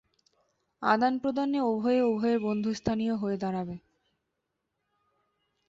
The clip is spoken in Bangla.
আদানপ্রদানে উভয়েই উভয়ের বন্ধুস্থানীয় হয়ে দাঁড়াবে।